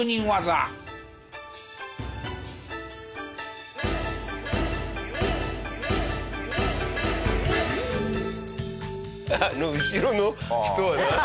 あの後ろの人は？